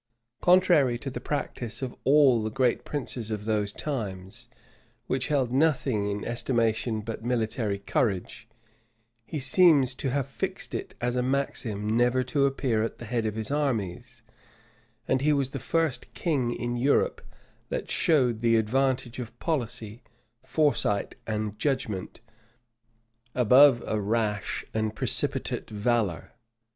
Contrary to the practice of all the great princes of those times, which held nothing in estimation but military courage, he seems to have fixed it as a maxim never to appear at the head of his armies; and he was the first king in Europe that showed the advantage of policy, foresight, and judgment, above a rash and precipitate valor.